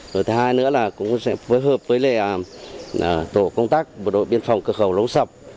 rồi thứ hai nữa là cũng sẽ phối hợp với lệ tổ công tác bộ đội biên phòng cửa khẩu lông sọc